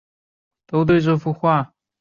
都对这幅画留下了深刻的印象